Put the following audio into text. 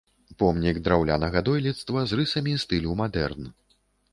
Помнік драўлянага дойлідства з рысамі стылю мадэрн.